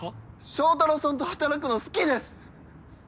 祥太郎さんと働くの好きです！